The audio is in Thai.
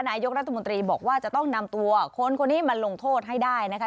นายกรัฐมนตรีบอกว่าจะต้องนำตัวคนคนนี้มาลงโทษให้ได้นะคะ